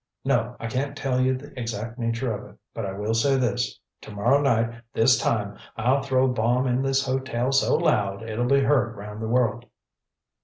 No, I can't tell you the exact nature of it but I will say this to morrow night this time I'll throw a bomb in this hotel so loud it'll be heard round the world."